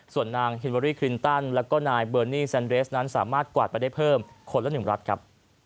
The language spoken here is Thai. ส่วนนางฮิมเวอรี่คลินตันแล้วก็นายเบอร์นี่แซนเรสนั้นสามารถกวาดไปได้เพิ่มคนละ๑รัฐครับ